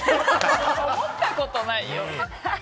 思ったことないよ。